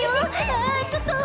あちょっと！